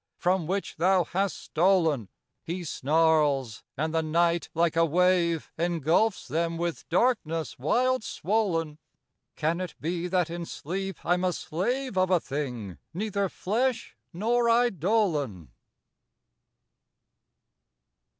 from which thou hast stolen!" He snarls; and the night, like a wave, Engulfs them with darkness wild swollen. Can it be that in sleep I'm a slave Of a thing neither flesh nor eidolon?